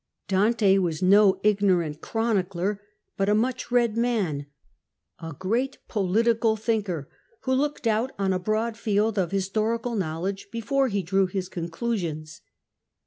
Dante was no ignorant chronicler, but a much read man, a great political thinker, who looked out on a broad field of historical knowledge before he drew his conclusions.